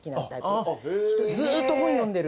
ずっと本読んでる人。